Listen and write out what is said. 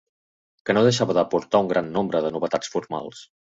Que no deixava d'aportar un gran nombre de novetats formals.